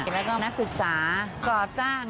แล้วก็นักศึกษาก่อสร้าง